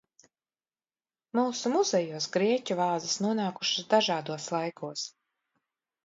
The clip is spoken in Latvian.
Mūsu muzejos grieķu vāzes nonākušas dažādos laikos.